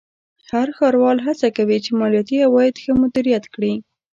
هر ښاروال هڅه کوي چې مالیاتي عواید ښه مدیریت کړي.